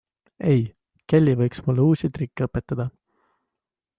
Ei, Kelly võiks mulle uusi trikke õpetada!